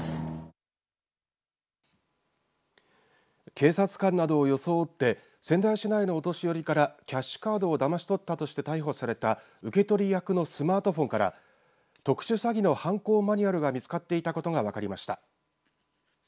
警察官などを装って仙台市内のお年寄りからキャッシュカードをだまし取ったとして逮捕された受け取り役のスマートフォンから特殊詐欺の犯行マニュアルが見つかっていたことが分かりました。